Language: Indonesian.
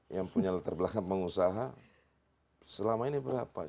yang punya latar belakang pengusaha selama ini berapa